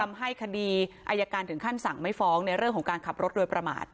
ทำให้คดีอายการถึงขั้นสั่งไม่ฟ้องในเรื่องของการขับรถโดยประมาท